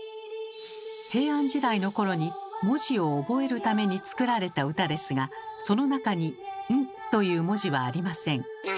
平安時代の頃に文字を覚えるために作られた歌ですがその中に「ん」という文字はありません。